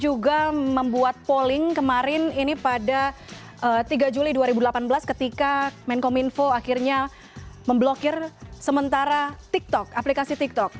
juga membuat polling kemarin ini pada tiga juli dua ribu delapan belas ketika menkominfo akhirnya memblokir sementara tiktok aplikasi tiktok